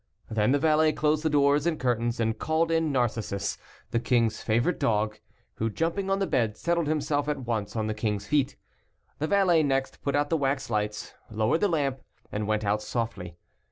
Then the valet closed the doors and curtains, and called in Narcissus, the king's favorite dog, who, jumping on the bed, settled himself at once on the king's feet. The valet next put out the wax lights, lowered the lamp, and went out softly.